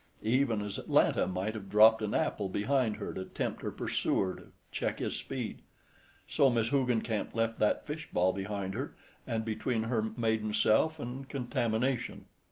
Even as Atalanta might have dropped an apple behind her to tempt her pursuer to check his speed, so Miss Hoogencamp left that fish ball behind her, and between her maiden self and contamination.